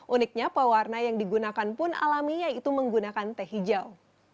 uniknya pewarna yang digunakan pun alami yaitu menggunakan teh hijau